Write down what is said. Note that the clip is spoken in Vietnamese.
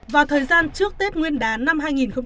vào thời gian trước tết nguyên đán năm hai nghìn hai mươi